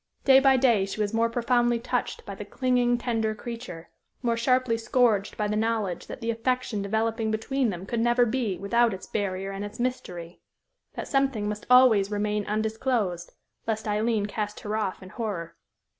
Day by day she was more profoundly touched by the clinging, tender creature, more sharply scourged by the knowledge that the affection developing between them could never be without its barrier and its mystery, that something must always remain undisclosed, lest Aileen cast her off in horror.